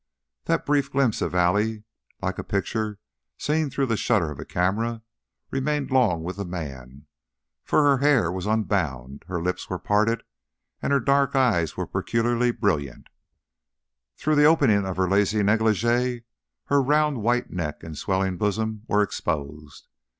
That brief glimpse of Allie, like a picture seen through the shutter of a camera, remained long with the man, for her hair was unbound, her lips were parted, and her dark eyes were peculiarly brilliant; through the opening of her lacy negligee her round, white neck and swelling bosom were exposed.